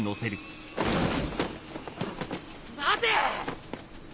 ・待て！